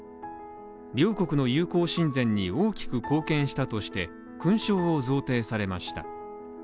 両国の友好親善に大きく貢献したとして、勲章を贈呈されました。